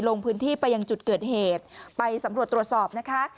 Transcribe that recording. ลงพื้นที่ไปยังจุดเกิดเหตุไปสำรวจตรวจสอบนะคะ